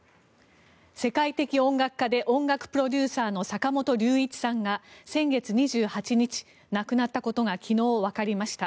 世界的音楽家で音楽プロデューサーの坂本龍一さんが先月２８日亡くなったことが昨日、わかりました。